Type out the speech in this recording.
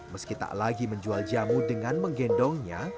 meski tak lagi menjual jamu dengan menggendongnya